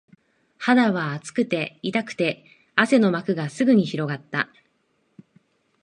肌は熱くて、痛くて、汗の膜がすぐに広がった